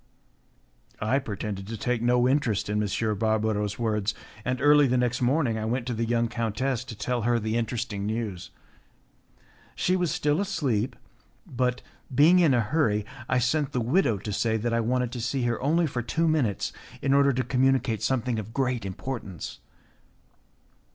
I pretended to take no interest in M. Barbaro's words, and early the next morning I went to the young countess to tell her the interesting news. She was still asleep; but, being in a hurry, I sent the widow to say that I wanted to see her only for two minutes in order to communicate something of great importance.